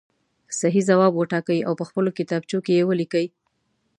صحیح ځواب وټاکئ او په خپلو کتابچو کې یې ولیکئ.